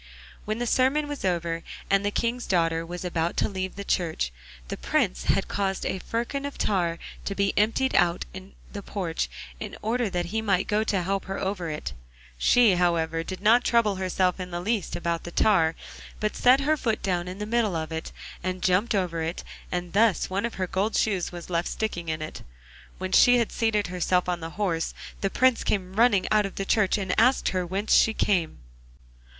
When the sermon was over and the King's daughter was about to leave the church, the Prince had caused a firkin of tar to be emptied out in the porch in order that he might go to help her over it; she, however, did not trouble herself in the least about the tar, but set her foot down in the middle of it and jumped over it, and thus one of her gold shoes was left sticking in it. When she had seated herself on the horse the Prince came running out of the church and asked her whence she came.